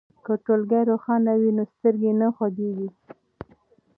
که ټولګی روښانه وي نو سترګې نه خوږیږي.